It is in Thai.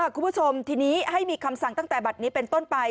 คุณผู้ชมทีนี้ให้มีคำสั่งตั้งแต่บัตรนี้เป็นต้นไป